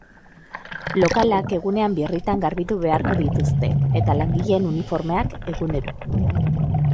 Lokalak egunean birritan garbitu beharko dituzte, eta langileen uniformeak, egunero.